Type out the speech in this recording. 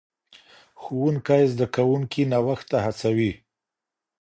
ښوونکی زدهکوونکي نوښت ته هڅوي.